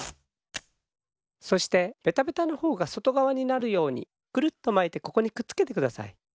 そしてベタベタのほうがそとがわになるようにくるっとまいてここにくっつけてください。